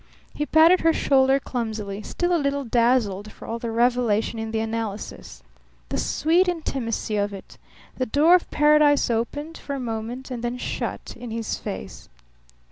He patted her shoulder clumsily, still a little dazzled for all the revelation in the analysis. The sweet intimacy of it! The door of Paradise opened for a moment, and then shut in his face.